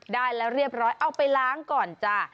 ได้แล้วเรียบร้อยเอาไปล้างก่อนจ้ะ